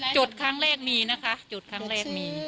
จุดครั้งแรกมีนะคะจุดครั้งแรกมี